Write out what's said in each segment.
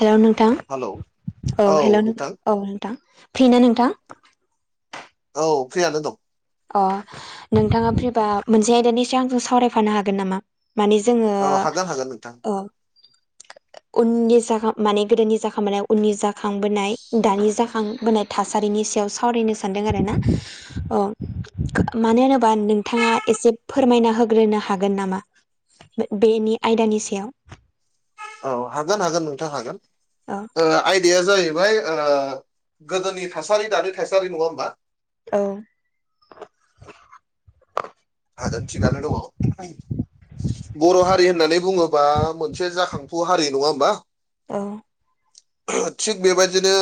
Hello नोंथां hello औ hello औ नोंथां फ्रि ना नोंथां औ फ्रियानो दं अ नोंथाङा फ्रिबा मोनसे आयदानि सायाव आंजों सावरायफानो हागोन नामा? माने जोङो औ हागोन हागोन नोंथां औ उननि जाखां माने गोदोनि जाखांबनाय उननि जाखांबोनाय दानि जाखांबोनाय थासारिनि सायाव सावरायनो सानदों आर ना औ मानो होनोबा नोंथाङा एसे फोरमायना होग्रोनो हागोन नामा? बेनि आयदानि सायाव औ हागोन हागोन नोंथाङ हागोन [unintelligible] आयदाया जाहैबाय गोदोनि थासारि दानि थासारि नङा होमबा औ [unintelligible] बर' हारि होननानै बुङोबा मोनसे जाखांफु हारि नङा होमबा औ थिग बेबायदिनो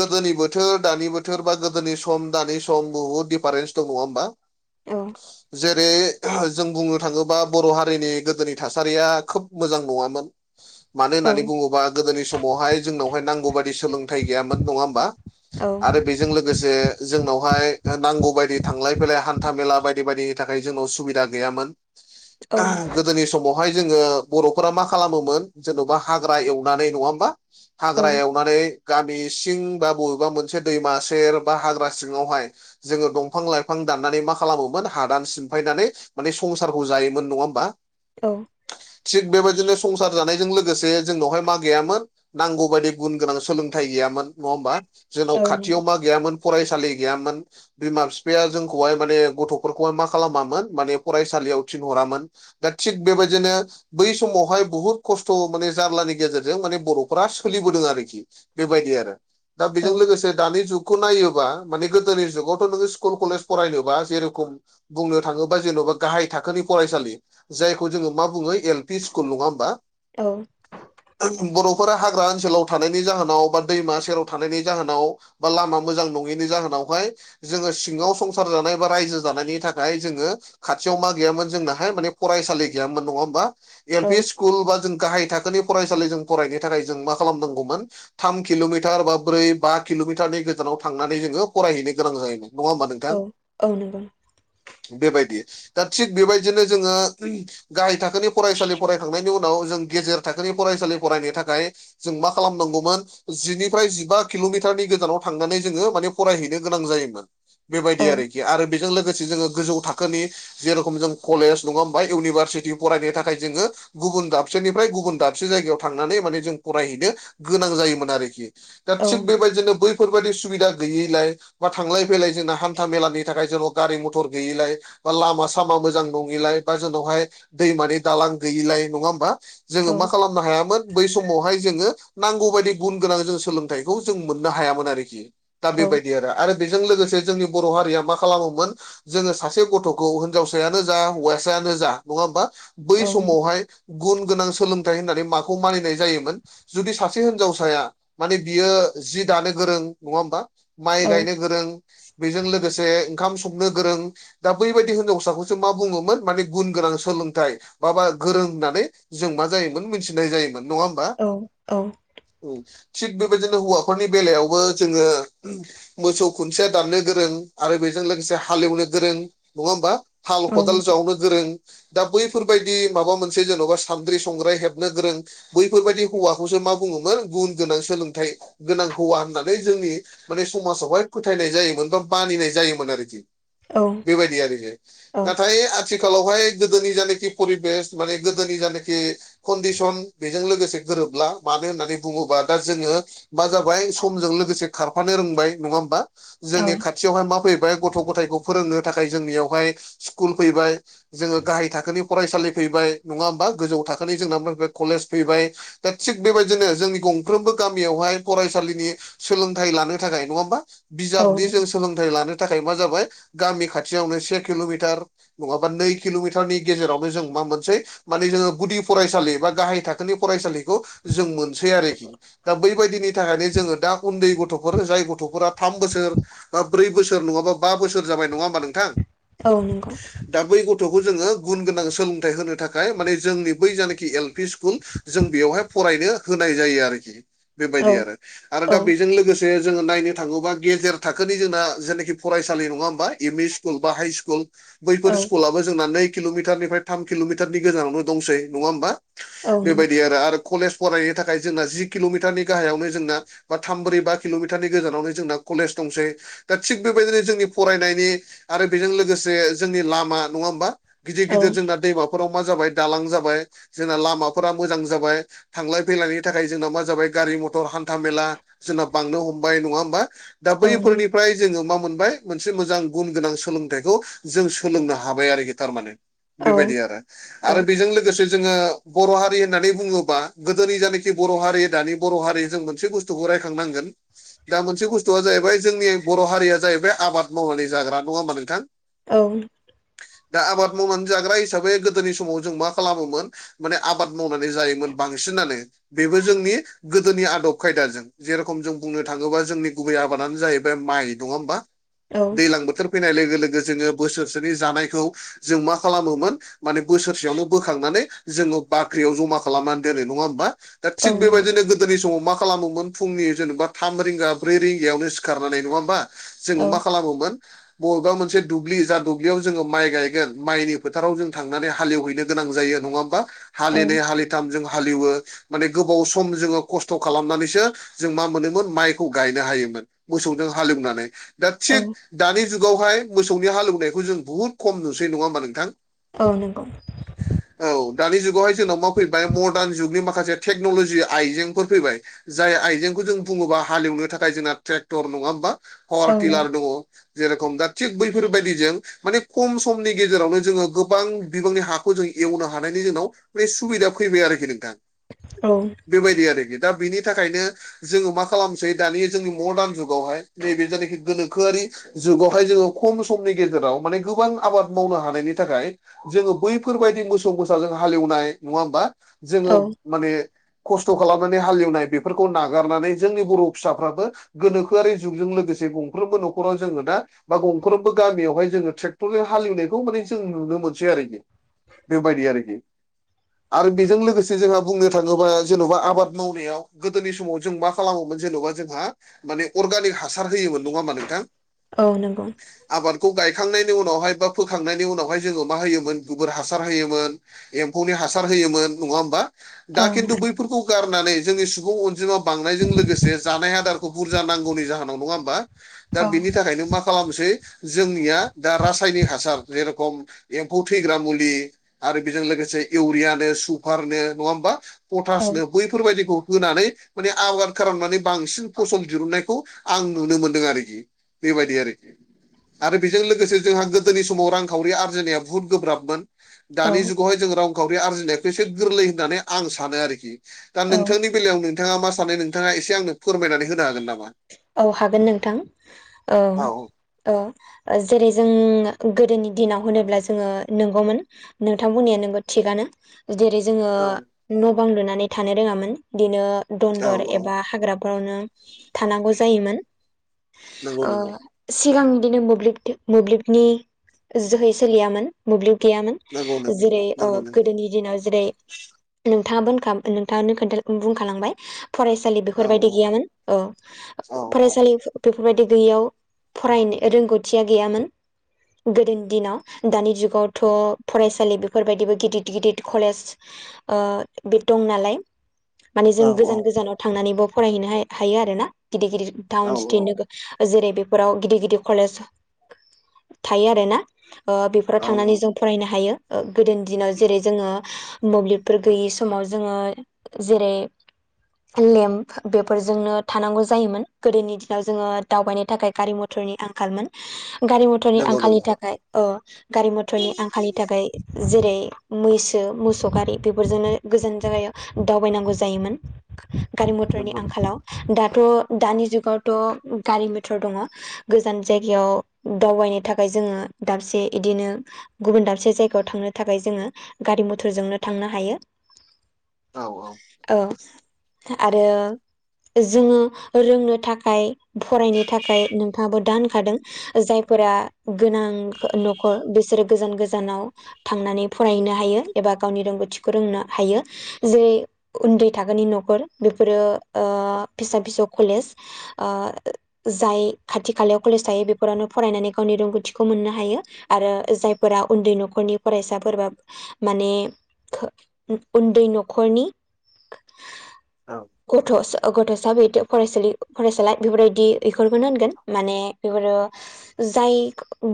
गोदोनि बोथोर दानि बोथोर बा गोदोनि सम दानि सम बुहुद दिडिफारेन्स दं नङा होमबा औ जेरै जों बुंनो थाङोबा बर' हारिनि गोदोनि थासारिया खोब मोजां नङामोन मानो औ होननानै बुङोबा गोदोनि समावहाय जोंनावहाय नांगौ बाददि सोलोंथाइ गैयामोन नङा होमबा औ आरो बे जों लोगोसे जोंनावहाय नांगौ बायदि थांलाय फैलाय हान्था मेला बायदि बायदि जों सुबिदा गैयामोन औ समावहाय जोङो बर'फोरा मा खालामोमोन जेन'बा हाग्रा एवनानै नङा होमबा हाग्रा औ एवनानै गामि सिं बा बबेबा मोनसे दैमा सेर बा हाग्रा सिङावहाय जोङो दंफां लाइफां दाननानै मा खालामोमोन हादान सिमफायनानै माने संसारखौ जायोमोन नङा होमबा औ थिग बेबायदिनो संसार जानायजों लोगोसे जोंनावहाय मा गैयामोन नांगौ बाददि गुन गोनां सोलोंथाइ गैयामोन नङा होमबा जोंनाव औ नंगौ खाथियाव मा गैयामोन फरायसालि गैयामोन बिमा बिफाया जोंखौहाय माने गथ' फोरखौहाय मा खालामामोन माने फरायसालियाव थिनहरामोन दा थिग बेबायदिनो बै समावहाय बुहुद खस्थ' माने जारलानि गेजेरजों माने बर'फ सोलिबोदों आरोखि। बेबायदि आरो दा औ बेजों लोगोसे दानि जुग खौ नायोबा माने गोदोनि जुगावथ' नोङो स्कुल कलेज फरायनोबा जेरेखम बुंनो थाङोबा जेन'बा गाहाय थाखोनि फरायसालि जायखौ जोङो मा बुङो एल पि स्कुल नङा होमबा। औ बर'फोरा हाग्रा ओनसोलाव थानायनि जाहोनाव बा दैमा सेराव थानायनि जाहोनाव बा लामा मोजां नङिनि जाहोनावहाय जोङो सिङाव संसार जानाय बा रायजो जानायनि थाखाय जोंङो खाथियाव मा गै जोंना हाय फरायसालि गैयामोनङा औ हब एल सु स्कुल बा जों गाहाय थाखोनि फरायसालि जों फरायनो थाखाय जों मा खालामनांगौमोन थाम किल'मिटार बा ब्रै बा किल'मिटारनि गोजानाव थांनानै जोङो फरायहैनो गोनां जायोमोन नङा होमबा नोंथां औ औ नंगौ बेबायदि दा थिग बेबायदिनो जोङो गाहाय थाखोनि फरायसालि फरायखांनायनि उनाव जों गेजेर थाखोनि फरायसालि फरायनो थाखाय जों मा खालामनांगौमोन जिनिफ्राय जिबा किल'मिटारनि गोजानाव थांनानै जोङो माने फरायहैनो गोनां जायोमोन। औ बेबायदि आरोखि आरो बेजों लोगोसे जोङो गोजौ थाखोनि जेरेखम जों कलेज नङा होमबा इउनिभारसिटि फरायनो थाखाय जोङो गुबुन दाबसेनिफ्राय गुबुन दाबसे जायगायाव थांनानै माने जों फरायहैनो गोनां जायोमोन आरोखि दा थिग बेबायदिनो बै फोरबादि सुबिदा गैयैलाय बा थांलाय फैलाय जोंना हान्था मेलानि थाखाय जेन' गारि मथर गैयिलाय बा लामा सामा मोजां नङिलाय बा जोंनावहाय दैमानि दालां गैयिलाय नङा होमबा जोङो मा हागोन खालामनो हायामोन बै समावहाय जोङो नांगौ बायदि गुन गोनां जों सोलोंथाइखौ जों मोननो हायामोन आरोखि। दा बेबायदि आरो आरो बेजों लोगोसे जोंनि बर' हारिया मा खालामोमोन जोङो सासे गथ'खौ हिनजावसायानो जा हौवासायानो जा नङा होमबा? बै समावहाय गुन गोनां सोलोंथाइ होननानै माखौ मानिनाय जायोमोन जुदि सासे हिनजावसाया माने बियो जि दानो गोरों नङा होमबा? माइ गायनो गोरों, बेजों लोगोसे ओंखाम संनो गोरों, दा बैबायदि हिनजावसाखौसो मा बुङोमोन माने गुन गोनां सोलोंथाइ माबा गोरों होननानै जों मा जायोमोन मिथिनाय जायोमोन नङा होम औ औ। औ थिग बेबायदिनो हौवाफोरनि बेलायावबो जोङो मोसौ खुन्थिया दाननो गोरों आरो बेजों लोगोसे हालेवनो गोरों नङा होमबा हाल खदाल जावनो गोरों दा बैफोरबायदि माबा मोनसे जेन'बा सादद्रि संग्राय हेबनो गोरों बैफोरबायदि हौवाखौसो मा [unintelligible] गुन गोनां सोलोंथाइ गोनां हौवा होननानै जोंनि माने समाजावहाय फोथायनाय जायोमोन बा मानिनाय जायोमोन आरोखि। औ। बायदि आरोखि। नाथाय आथिखालावहाय गोदोनि जानाखि परिबेस माने गोदोनि जानाखि कन्दिसन बेजों लोगोसे गोरोबला। मानो होननानै बुङोबा दा जोङो मा जाबाय समजों लोगोसे खारफानो रोंबाय नङा होमबा? जोंनि खाथियावहाय मा फैबाय गथ' गथायखौ फोरोंनो थाखाय जोंनियावहाय स्कुल फैबाय। जोङो गाहाय थाखोनि फरायसालि फैबाय नङा होमबा गोजौ थाखोनि जोंना फैबाय कलेज फैबाय। दा थिग बेबायदिनो जोंनि गंफ्रोमबो गामियावहाय फरायसालिनि सोलोंथाइ लानो थाखाय नङा होनबा बिजाबनि जों सोलोंथाइ लानो थाखाय मा जाबाय गामि खाथियावनो से किल'मिटार नङाबा नै किल'मिटारनि गेजेरावनो जों मा मोनसे माने जोङो गुदि फरायसालि बा गाहाय थाखोनि फरायसालिखौ जों मोनसै आरोखि। दा बै बायदिनि थाखायनो जोङो दा उन्दै गथ'फोर जाय गथ'फोरा थाम बोसोर बा ब्रै बोसोर नङाबा बा बोसोर जाबाय नङा होमबा नोंथां? औ नंगौ। दा बै गथ'खौ जोङो गुन गोनां सोलोंथाइ होनो थाखाय माने जोंनि बै जानाखि एल पि स्कुल जों बेयावहाय फरायनो होनाय जायो आरोखि बेबायदि आरो आरो दा बेजों लोगोस जे जोङो नायनो थाङोबा गेजेर थाखोनि जोंना जेनाखि फरायसालि नङा होम बा एम इ स्कुल बा हाइ स्कुल बैफोर स्कुलाव जोंना नै किल'मिटारनिफ्राय थाम किल'मिटारनि गोजानावनो दंसै नङा होनबा बेबायदि आरो आरो कलेज फरायनो थाखाय जोंना जि किल'मिटारनि गाहायावनो जोंना बा थामब्रै बा किल'मिटारनि गोजानावनो जोंना कलेज दंसै दा थिग बेबायदिनो जोंनि फरायनायनि आरो बेजों लोगोसे जोंनि लामा नङा होमबा गिदिर गिदिर जोंना दैमाफोराव मा जाबाय दालां जाबाय जोंना लामाफोरा मोजां जाबाय। थांलाय फैलायनि थाखाय जोंनाव मा जाबाय गारि मथर हान्था मेला जोंना बांनो हमबाय नङा होमबा। दा बैफोरनिफ्राय जोङो मा मोनबाय मोनसे मोजां गुन गोनां सोलोंथाइखौ जों सोलोंनो हाबाय आरोखि थारमाने। बेबायदि आरो आरो बेजों लोगोसे जोङो बर' हारि होननानै बुङोबा गोदोनि जानिखि बर' हारि दानि बर' हारि जों मोनसे बुस [unintelligible] रायखांनांगोन दा मोनसे बुस्थुवा जाहैबाय जोंनि बर' हारिया जाहैबाय आबाद मावनानै जाग्रा नङा होमबा नोंथां? औ। दा आबाद मावनानै जाग्रा हिसाबै गोदोनि समाव जों मा खालामोमोन माने आबाद मावनानै जायोमोन बांसिनानो बेबो जोंनि गोदोनि आदब खायदाजों जेरेखम जों बुंनो थाङोबा जोंनि गुबै आबादानो जाहैबाय माइ दङा होमबा। दैज्लां बोथोर फैनाय लोगो लोगो जोङो बोसोरसेनि जानायखौ जों मा खालामोमोन माने बोसोरसेयावनो बोखांनानै दा थिग बेबायदिनो [inaudible] गोदोनि समाव मा खालामोमोन फुंनि जेनेबा थाम रिंगा ब्रै रिंगायावनो सिखारनानै नङा होमबा जोङो मा खालामोमोन बबेबा मोनसे दुब्लि जा दुब्लियाव जोङो माइ गायगोन माइनि फोथाराव जों थांनानै हाल एवहैनो गोनां जायो नङा होमबा हालिनै हालिथाम जों हाललिवो। माने गोबाव सम जोङो खस्थ' खालामनानैसो जों मा मोनोमोन माइखौ गायनो हायोमोन। मोसौजों हालेवनानै दा थिग दानि जुगावहाय औ नंगौ। औ। जाय आइजेंखौ जों बुङोबा हालेवनो थाखाय नाजों जेरखम दा थिग बैफोरबायदिजों माने खम समनि गेजेरावनो जोङो गोबां बिबांनि हाखौ जों एवनो हानायनि जोंनाव बे सुबिदा फैबाय आरोखि नोंथां औ बेबायदि आरोखि दा बिनि थाखायनो जोङो मा खालामसै दानि जोंनि मदार्न जुगावहाय नैबे जायखि गोनोखोआरि जुगावहाय जोङो खम समनि गेजेराव माने गोबां आबाद मावनो हानायनि थाखाय जोङो बैफोरबायाददि मोसौ मोसा जों हालेवनाय नङा होमबा जोङो माने खस्थ' खालामनानै हालेवनाय बेफोरखौ नागारनानै गोनोखोआरि जुगजों लोगोसे गं [inaudible] बा गंफ्रोमबो गामियावहाय जोङो ट्रेक्टरजों हालेवनायखौ माने जों नुनो मोनसै आरोखि बेबायदि आरोखि आरो बेजों लोगोसे जोंहा बुंनो थाङोबा जेन'बा आबाद मावनायाव गोदोनि समाव जों मा खालामोमोन जेन'बा जोंहा माने अर्गानिक हासार होयोमोन नङा होमा नोंथां औ नंगौ आबादखौ गायखांनायनि उनावहाय बा फोखांनायनि उनावहाय जोङो मा होयोमोन गोबोर हासार होयोमोन। एम्फौनि हासार होयोमोन नङा होमबा दा खिन्थु बैफोरखौ गारनानै जोंनि सुबुं अनजिमा बांनायजों लोगोसे जानाय आदार बुरजा नांगौनि जाहोनाव नङा हा दा बेनि थाखायनो मा खालामसै जोंनिया दा रासायनिक हासार जेरेखम एम्फौ थैग्रा आरो बेजों लोगोसे इउरियानो सुफारनो नङा होमबा पटासनो बैफोरबायदिखौ होनानै माने आबाद खालामनानै बांसिन फसल दिहुननायखौ आं नुनो मोन [inaudible] दों आरोखि बेबायदि आरोखि आरो बेजों लोगोसे जोंहा गोदोनि समाव रांखावरि आरजिनाया बुहुद गोब्राबमोन दानि जुगावहाय जों रांखावरि आरजिनायखौ एसे गोरलै होननानै आं सानो आरोखि दा नोंथांनि बेलायाव नोंथाङा मा सानो नोंथाङा एसे आंनो फोरमायनानै होनो हागोन नामा? औ हागोन नोंथां औ औ जेरै जों नोंथां बुंनाया औ नोंगौ औ औ बिदिनो नंगौ नंगौ [unintelligible] सिगां बिदिनो मोब्लिब मोब्लिबनि जोहै सोलियामोन नंगौ नंगौ जेरै ओ नंगौ नंगौ गोदोनि दिनाव जेरै नोंथाङा [unintelligible] खोनथा बुंखालांबाय फरायसालि औ बेफोरबायदि गैयामोन औ औ फरायसालि [unintelligible] बेफोरबायदि गैयैयाव फरायनो रोंगौथिया गैयामोन। गोदोनि दिनाव‌ दानि जुगावथ' फरायसालि बिफोरबायदिबो गिदिद गिदिद कलेज ओ बे दं नालाय माने जों औ औ गोजान गोजानाव थांनानैबो फरायहैनो हायो आरो ना गिदिर गिदिर औ टाउन सिटि नोगो जेरै बेफोराव गिदिर गिदिर कलेज थायो आरो ना। ओ बेफोरो औ थांनानै औ जों फरायनो हायो गोदोनि दिनाव जेरै जोङो मोब्लिबफोर गैयि समाव जोङो जेरै लेम्प बेफोरजोंनो थानांगौ जायोमोन गोदोनि दिनाव जोङो दावबायनो थाखाय गारि मथरनि आंखालमोन गारि मथरनि नंगौ आंखालनि नंगौ थाखाय अ गारि मथरनि आंखालनि थाखाय जेरै मैसो मोसौ गारि बेफोरजोंनो गोजान जायगायाव दावबायनांगौ जायोमोन‌। गारि मथरनि नंगौ आंखालाव दाथ' दानि जुगावथ' गारि मथर दङ गोजान जायगायाव दावबायनो थाखाय जोङो दाबसे इदिनो गुबुन दाबसे जायगायाव थांनो थाखाय जोङो गारि मथरजोंनो थांनो हायो। औ औ आरो जोङो रोंनो थाखाय फरायनो थाखाय नोंथाङाबो दा होखादों जायफोरा गोनां न'खर बिसोरो गोजान गोजानाव थांनानै फरायनो हायो एबा गावनि रोंगौथिखौ रोंनो हायो जे उन्दै थाखोनि न'खर बेफोरो ओ फिसा फिसौ कलेज ओ जाय खाथि खालायाव कलेज थायो बेफोरावनो फरायनानै गावनि रोंगौथिखौ मोननो हायो। आरो जायफोरा उन्दै न'खरनि फरायसाफोरबा माने उन्दै न'खरनि गथ' गथ'सा बेद फरायसालि फरायसालाय बेफोरबायदि बेफोरफोरखौनो होनगोन माने बेफोरो जाय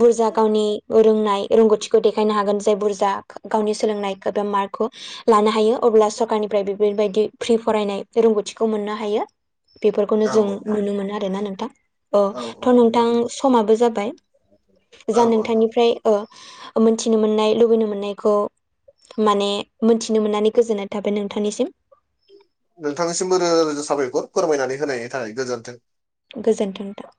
बुरजा गावनि रोंनाय रोंगौथिखौ देखायनो हागोन जाय बुरजा गावनि सोलोंनायखौ एबा मार्कखौ लानो हायो अब्ला सरकारनिफ्राय बेफोरबायदि फ्रि फरायनाय रोंगौथिखौ मोननो हायो। बेफोरखौनो औ जों नुनो मोनो आरोना नोंथां औ थ' नंगौ नोंथां नंगौ समाबो जाबाय जा औ औ। नोंथांनिफ्राय ओ मोनथिनो मोननाय लुबैनो मोननायखौ माने मोनथिनो मोननानै गोजोननाय थाबाय नोंथांनिसिम। नोंथांनिसिमबो रोजा रोजा साबायखर फोरमायनानै होनायनि थाखाय गोजोन्थों। गोजोन्थों नोंथां।